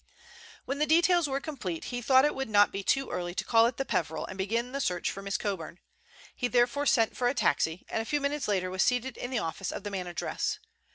When the details were complete he thought it would not be too early to call at the Peveril and begin the search for Miss Coburn. He therefore sent for a taxi, and a few minutes later was seated in the office of the manageress.